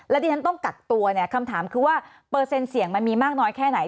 ที่ฉันต้องกักตัวเนี่ยคำถามคือว่าเปอร์เซ็นต์เสี่ยงมันมีมากน้อยแค่ไหน